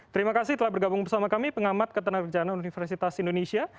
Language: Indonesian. terima kasih telah bergabung bersama kami pengamat ketenaga kerjaan universitas indonesia